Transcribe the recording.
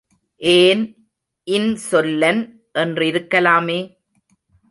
ஏன், இன்சொல்லன் என்றிருக்கலாமே.